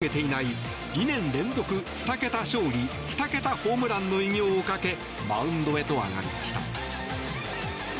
野球の神様ベーブ・ルースも成し遂げていない２年連続２桁勝利２桁ホームランの偉業をかけマウンドへと上がりました。